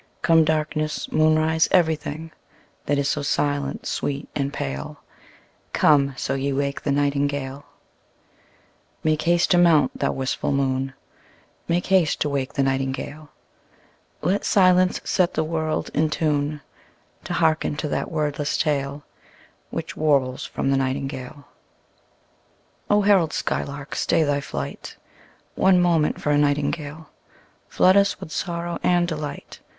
Come darkness, moonrise, every thing That is so silent, sweet, and pale: Come, so ye wake the nightingale. Make haste to mount, thou wistful moon, Make haste to wake the nightingale: Let silence set the world in tune To hearken to that wordless tale Which warbles from the nightingale O herald skylark, stay thy flight One moment, for a nightingale Floods us with sorrow and delight.